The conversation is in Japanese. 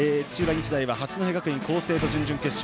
日大は八戸学院光星と準々決勝。